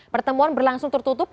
pertemuan berlangsung tertutup